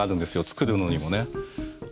作るのにもね。